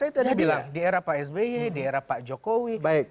saya tadi bilang di era pak sby di era pak jokowi